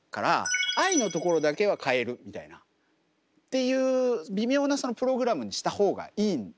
「Ｉ」のところだけは変えるみたいなっていう微妙なプログラムにした方がいいんですよ。